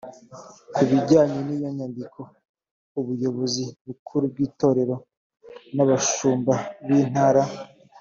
ku bijyanye n iyo nyandiko ubuyobozi bukuru bw itorero n abashumba b intara